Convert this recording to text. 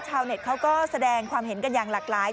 เน็ตเขาก็แสดงความเห็นกันอย่างหลากหลาย